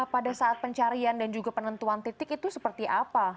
pada saat pencarian dan juga penentuan titik itu seperti apa